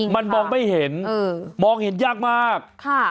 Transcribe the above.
มันมองไม่เห็นมองเห็นยากมาก